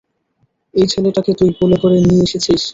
ওই ছেলেটাকে তুই কোলে করে নিয়ে এসেছিস?